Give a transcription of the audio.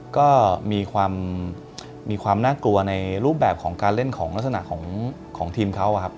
ก็มีความน่ากลัวในรูปแบบของการเล่นของลักษณะของทีมเขาครับ